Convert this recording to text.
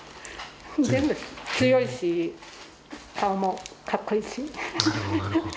全部、強いし、顔もかっこいいし。